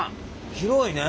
広いね。